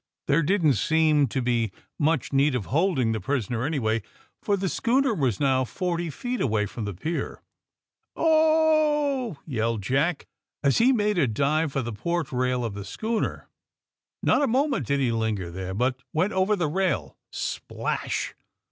There didn't seem to he much need of hold ing the prisoner, anyway, for the schooner was now some forty feet away from the pier. ^^0 o o oh!" yelled Jack, as he made a dive for the port rail of the schooner. Not a moment did he linger there, hut went over the rail, splash!